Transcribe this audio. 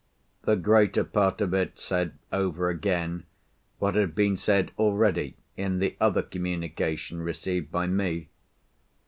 The greater part of it said over again what had been said already in the other communication received by me.